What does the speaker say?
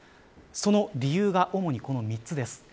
その理由は主にこの３つです。